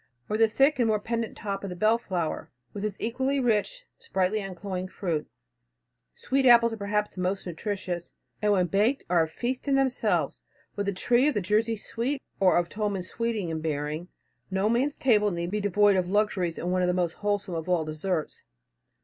Or the thick and more pendent top of the belleflower, with its equally rich, sprightly uncloying fruit. Sweet apples are perhaps the most nutritious, and when baked are a feast in themselves. With a tree of the Jersey sweet or of Tolman's sweeting in bearing, no man's table need be devoid of luxuries and one of the most wholesome of all deserts.